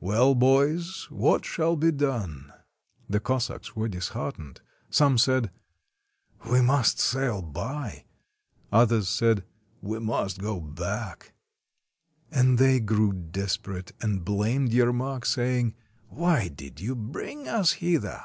"Well, boys, what shall be done?" The Cossacks were disheartened. Some said: — "We must sail by." Others said: — "We must go back." i68 THE CONQUEST OF SIBERIA And they grew desperate, and blamed Yermak, say ing:— ''Why did you bring us hither?